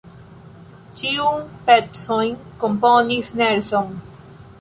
Ĉiun pecojn komponis Nelson.